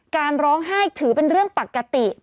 การร้องไห้ถือเป็นเรื่องปกติ